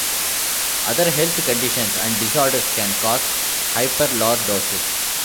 Other health conditions and disorders can cause hyperlordosis.